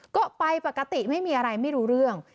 ก็ไปปกติไม่มีอะไรไม่รู้เรื่อง